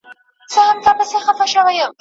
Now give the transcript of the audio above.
دا د غازیانو شهیدانو وطن